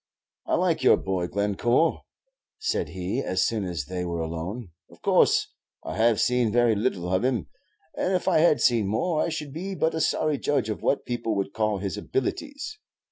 "I like your boy, Glencore," said he, as soon as they were alone. "Of course I have seen very little of him; and if I had seen more I should be but a sorry judge of what people would call his abilities.